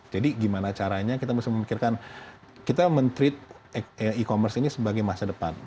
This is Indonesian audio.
jadi gimana caranya kita bisa memikirkan kita men treat e commerce ini sebagai masa depan